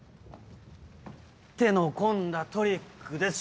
手の込んだトリックです